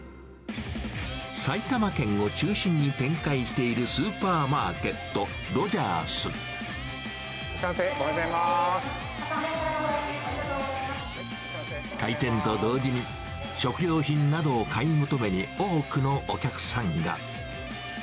埼玉県を中心に展開しているスーパーマーケット、いらっしゃいませ、おはよう開店と同時に、食料品などを買い求めに多くのお客さんが。